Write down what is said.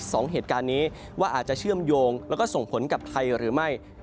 สองเหตุการณ์นี้ว่าอาจจะเชื่อมโยงแล้วก็ส่งผลกับไทยหรือไม่